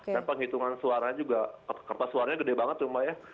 dan penghitungan suaranya juga karena suaranya gede banget tuh mbak ya